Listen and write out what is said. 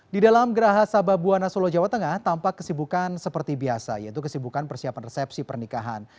di dalam geraha sababwana solo jawa tengah tampak kesibukan seperti biasa yaitu kesibukan persiapan resepsi pernikahan